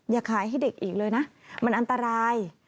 อย่าขายให้เด็กอีกเลยนะมันอันตราย